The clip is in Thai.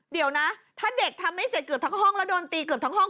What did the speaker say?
เดี๋ยวนะถ้าเด็กทำไม่เสร็จเกือบทั้งห้องแล้วโดนตีเกือบทั้งห้อง